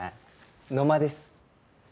野間です。